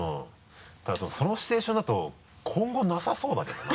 ただそのシチュエーションだと今後なさそうだけどな。